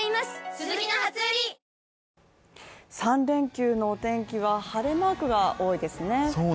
３連休の天気は晴れマークが多いですね